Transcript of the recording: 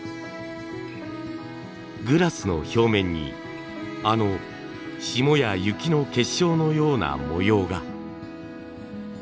グラスの表面にあの霜や雪の結晶のような模様が。